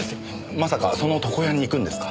まさかその床屋に行くんですか？